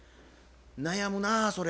悩むなぁそれ。